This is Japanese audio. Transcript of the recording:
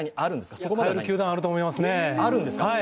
そこまでの球団、あると思いますね。